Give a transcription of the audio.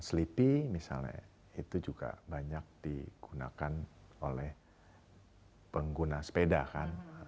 selipi misalnya itu juga banyak digunakan oleh pengguna sepeda kan